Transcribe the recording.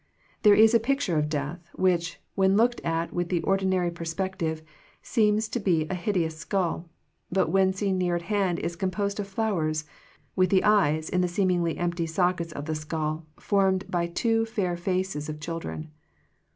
There is a picture of death, which, when looked at with the ordinary per spective, seems to be a hideous skull, but when seen near at hand is composed of flowers, with the eyes, in the seem ingly empty sockets of the skull, formed by two fair faces of children.